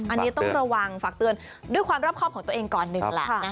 อันนี้ต้องระวังฝากเตือนด้วยความรอบครอบของตัวเองก่อนหนึ่งแหละ